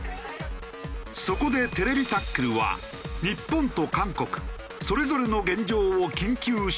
そこで『ＴＶタックル』は日本と韓国それぞれの現状を緊急取材。